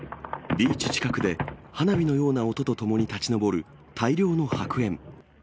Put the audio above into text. ビーチ近くで、花火のような音とともに立ち上る大量の白煙。